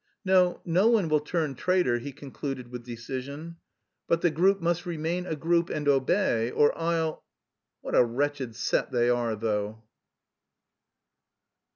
"No, no one will turn traitor," he concluded with decision, "but the group must remain a group and obey, or I'll... What a wretched set they are though!"